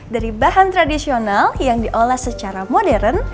dari bahan tradisional yang diolah secara modern